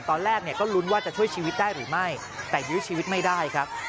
ตอนแรกเนี่ยก็ลุ้นว่าจะช่วยชีวิตได้หรือไม่แต่ยื้อชีวิตไม่ได้ครับ